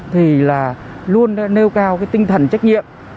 thì luôn nêu cao tinh thần trách nhiệm